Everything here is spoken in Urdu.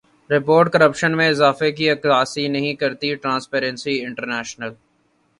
رپورٹ کرپشن میں اضافے کی عکاسی نہیں کرتی ٹرانسپیرنسی انٹرنیشنل